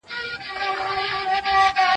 په خندا يې مچولم غېږ يې راکړه